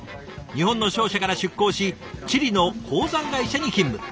日本の商社から出向しチリの鉱山会社に勤務。